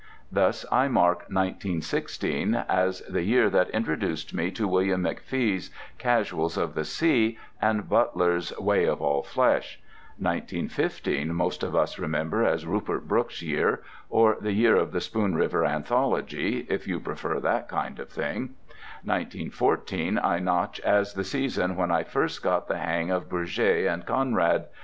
Thus I mark 1916 as the year that introduced me to William McFee's "Casuals of the Sea" and Butler's "Way of All Flesh"; 1915 most of us remember as Rupert Brooke's year, or the year of the Spoon River Anthology, if you prefer that kind of thing; 1914 I notch as the season when I first got the hang of Bourget and Conrad.